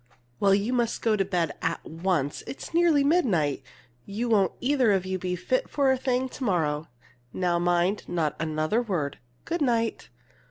"Well, you must go to bed at once! It's nearly midnight. You won't either of you be fit for a thing to morrow. Now, mind, not another word! Good night!"